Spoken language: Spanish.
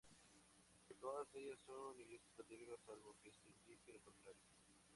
Todas ellas son iglesias católicas, salvo que se indique lo contrario.